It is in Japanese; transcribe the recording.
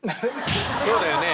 そうだよね。